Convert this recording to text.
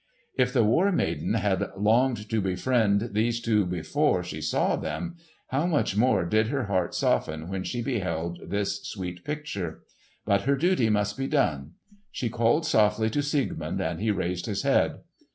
] If the War Maiden had longed to befriend these two before she saw them, how much more did her heart soften when she beheld this sweet picture! But her duty must be done. She called softly to Siegmund and he raised his head.